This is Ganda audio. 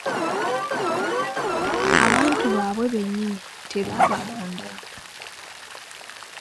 Abantu baabwe bennyini tebaabalonda.